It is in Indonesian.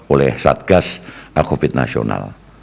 oleh satgas covid nasional